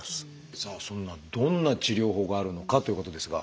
さあそんなどんな治療法があるのかということですが。